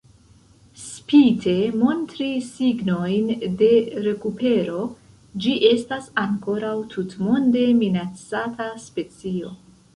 Spite montri signojn de rekupero, ĝi estas ankoraŭ tutmonde minacata specio.